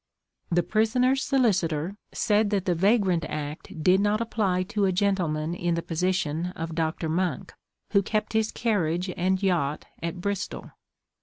The prisoner's solicitor said that the Vagrant Act did not apply to a gentleman in the position of Dr. Monck, who kept his carriage and yacht at Bristol.